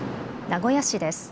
名古屋市です。